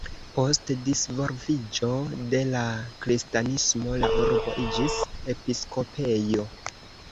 Post disvolviĝo de la kristanismo la urbo iĝis episkopejo.